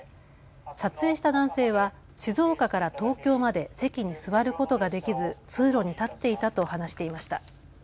撮影した男性は静岡から東京まで席に座ることができず通路に立っていたと話していました。